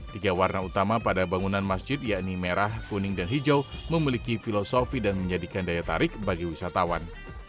tiga warna utama pada bangunan masjid yakni merah kuning dan hijau memiliki filosofi dan menjadikan daya tarik bagi wisatawan